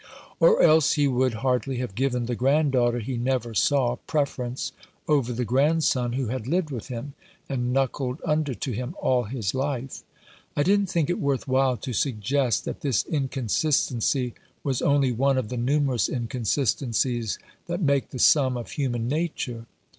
Or else he would hardly have given the granddaughter he never saw preference over the grandson who had lived with him and knuckled under to him all his life.' I didn't think it worth while to suggest that this inconsistency was only one of the numerous inconsistencies that make the sum of human 309 Rough Justice. nature.